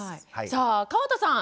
さあ川田さん